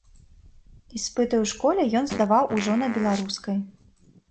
Іспыты ў школе ён здаваў ужо на беларускай.